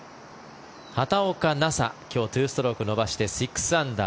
畑岡奈紗、今日２ストローク伸ばして６アンダー。